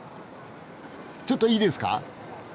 ちょっといいですか？